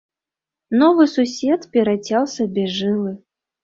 Новы сусед перацяў сабе жылы.